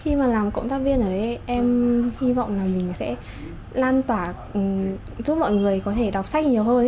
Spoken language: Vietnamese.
khi mà làm cộng tác viên ở đây em hy vọng là mình sẽ lan tỏa giúp mọi người có thể đọc sách nhiều hơn